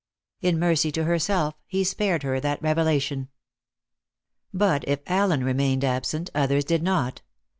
In mercy to herself he spared her that revelation. But if Allen remained absent, others did not.